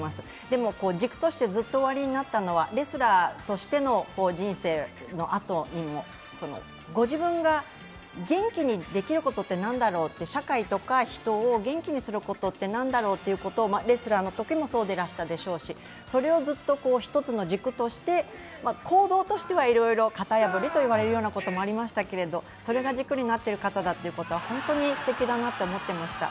でも、軸としてずっとおありになったのは、レスラーとしての人生のあとに、ご自分が元気にできることって何だろう、社会とか人を元気にすることってなんだろうと、レスラーのときもそうでらしたでしょうし、それをずっと一つの軸として行動としてはいろいろ型破りと言われることもありましたけれどもそれが軸になっている方だということは、本当にすてきだなと思っていました。